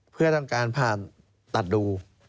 เพื่อต้องการผ่าตัดดู